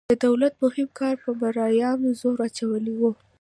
د دولت مهم کار په مرئیانو زور اچول وو.